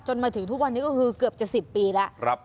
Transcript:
มาถึงทุกวันนี้ก็คือเกือบจะ๑๐ปีแล้ว